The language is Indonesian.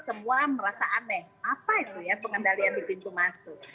semua merasa aneh apa itu ya pengendalian di pintu masuk